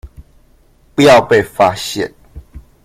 不要被發現